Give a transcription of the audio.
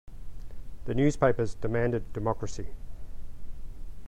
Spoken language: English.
The newspapers demanded democracy.